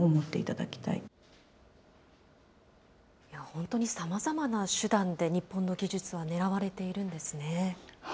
本当にさまざまな手段で日本の技術は狙われているんですね。